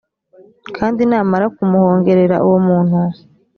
kandi namara kumuhongerera uwo muntu